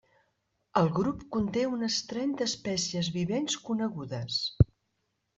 El grup conté unes trenta espècies vivents conegudes.